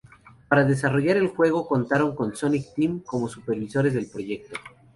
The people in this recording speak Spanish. Para desarrollar el juego, contaron con Sonic Team como supervisores del proyecto.